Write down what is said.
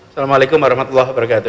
assalamualaikum warahmatullahi wabarakatuh